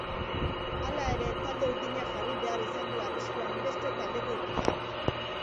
Hala ere, talde urdinak jarri behar izan du arriskuan beste taldeko gutarra.